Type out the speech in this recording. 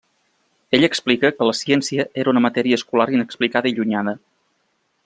Ell explica que la ciència era una matèria escolar inexplicada i llunyana.